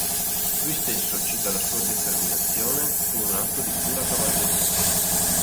Lui stesso cita la sua determinazione come un atto di pura cavalleria.